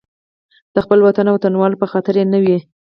د خپل وطن او وطنوالو په خاطر یې نه وي.